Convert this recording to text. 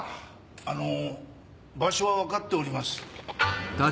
あの場所はわかっております。